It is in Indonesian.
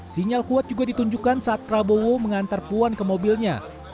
sinyal kuat juga ditunjukkan saat prabowo mengantar puan ke mobilnya